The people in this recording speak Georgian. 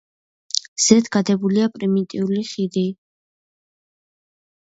ზედ გადებულია პრიმიტიული ხიდი.